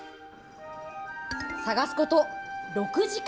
探すこと６時間。